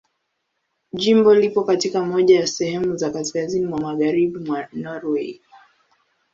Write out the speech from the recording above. Jimbo lipo katika moja ya sehemu za kaskazini mwa Magharibi mwa Norwei.